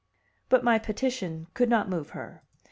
But my petition could not move her.